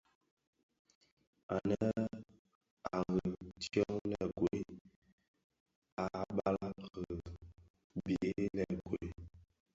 Ànë à riì tyông lëëgol, a balàg rì byey lëëgol.